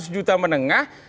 dua ratus juta menengah